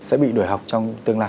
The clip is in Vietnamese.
sẽ bị đổi học trong lĩnh vực giáo dục